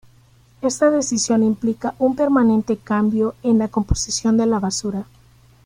Esta decisión implica un permanente cambio en la composición de la basura.